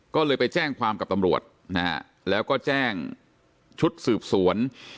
ก็เลยไปแจ้งความกับตำรวจนะฮะแล้วก็แจ้งชุดสืบสวน